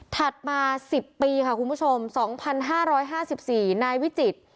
ถัดมาสิบปีค่ะคุณผู้ชมสองพันห้าร้อยห้าสิบสี่นายวิจิต